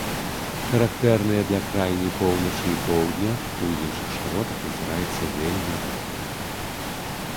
Характэрнае для крайняй поўначы і поўдня, у іншых шыротах назіраецца вельмі рэдка.